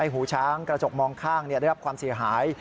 หูช้างกระจกมองข้างได้รับความเสียหาย